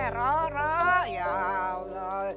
eh roro ya allah